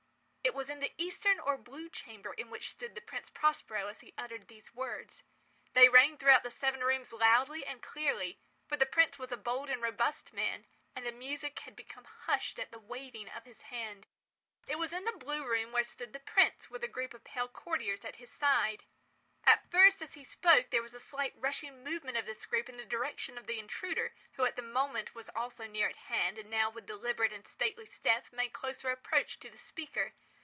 It was in the eastern or blue chamber in which stood the Prince Prospero as he uttered these words. They rang throughout the seven rooms loudly and clearly, for the prince was a bold and robust man, and the music had become hushed at the waving of his hand. It was in the blue room where stood the prince, with a group of pale courtiers by his side. At first, as he spoke, there was a slight rushing movement of this group in the direction of the intruder, who at the moment was also near at hand, and now, with deliberate and stately step, made closer approach to the speaker.